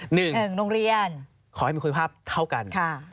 หนึ่งขอให้มีควริยภาพเท่ากัน